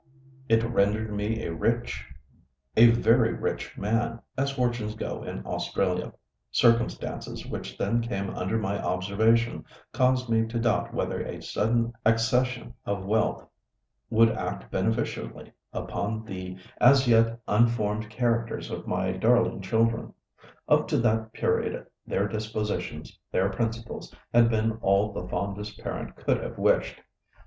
It rendered me a rich, a very rich man, as fortunes go in Australia. Circumstances which then came under my observation caused me to doubt whether a sudden accession of wealth would act beneficially upon the as yet unformed characters of my darling children. Up to that period their dispositions, their principles, had been all the fondest parent could have wished.